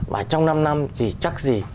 và trong năm năm thì chắc gì